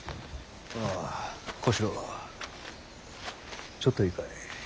小四郎ちょっといいかい。